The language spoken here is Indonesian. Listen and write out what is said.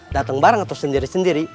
datang barang atau sendiri sendiri